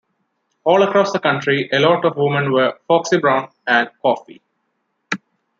All across the country, a lot of women were "Foxy Brown" and "Coffy".